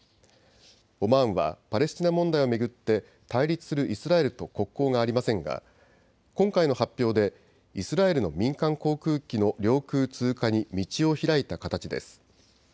オマーンはパレスチナ問題を巡って対立するイスラエルと国交がありませんが今回の発表でイスラエルの民間航空機の領空通過に道を開いた形です。